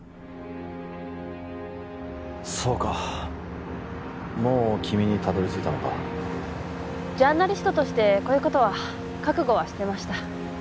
そうかもう君にたどりついたのかジャーナリストとしてこういうことは覚悟はしてました